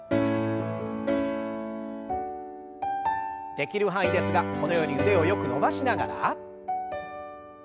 できる範囲ですがこのように腕をよく伸ばしながら。